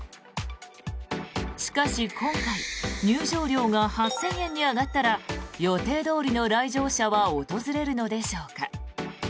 しかし、今回入場料が８０００円に上がったら予定どおりの来場者は訪れるのでしょうか。